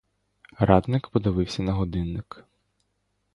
Радник подивився на годинник.